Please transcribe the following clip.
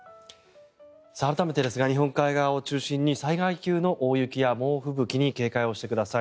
改めてですが日本海側を中心に災害級の大雪や猛吹雪に警戒をしてください。